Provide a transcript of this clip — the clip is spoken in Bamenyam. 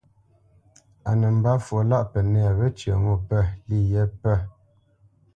A nə́ mbə́ fwo lâʼ Pənɛ̂ wə́cyə ŋo pə̂ lî yé pə̂.